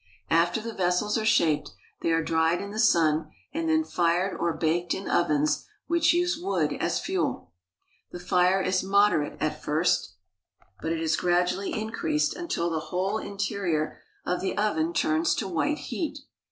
After the vessels are shaped, they are dried in the sun and then fired or baked in ovens which use wood as fuel. The fire is moderate at first, but it is gradually increased until the whole interior of the oven turns to white heat.